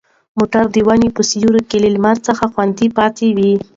موټر د ونې په سیوري کې له لمر څخه خوندي پاتې و.